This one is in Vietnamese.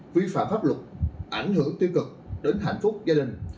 vi phạm pháp luật ảnh hưởng tiêu cực đến hạnh phúc gia đình